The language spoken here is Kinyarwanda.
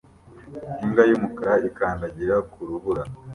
Imbwa y'umukara ikandagira ku rubura